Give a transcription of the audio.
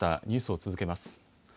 ニュースを続けます。